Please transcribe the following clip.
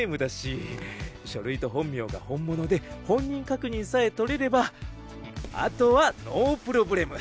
書類と本名が本物で本人確認さえ取れればあとはノープロブレム！